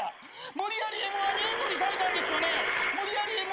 無理やりＭ−１にエントリーされてどうやった？